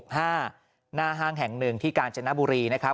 ห้างแห่งหนึ่งที่กาญจนบุรีนะครับ